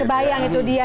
kebayang itu dia